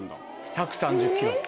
１３０キロ。